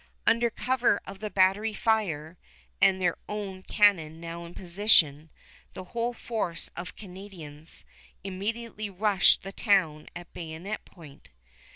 Under cover of the battery fire, and their own cannon now in position, the whole force of Canadians immediately rushed the town at bayonet point.